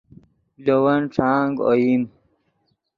لے ون ݯانگ اوئیم